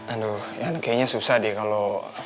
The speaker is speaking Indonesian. aduh ya kayaknya susah deh kalau